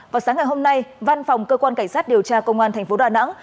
vào sáng ngày hôm nay văn phòng cơ quan cảnh sát điều tra công an thành phố đà nẵng